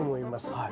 はい。